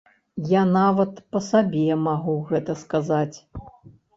Я нават па сабе магу гэта сказаць.